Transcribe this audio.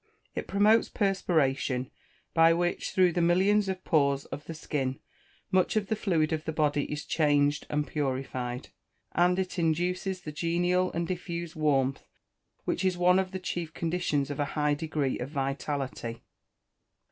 It promotes perspiration, by which, through the millions of pores of the skin, much of the fluid of the body is changed and purified. And it induces that genial and diffused warmth, which is one of the chief conditions of a high degree of vitality.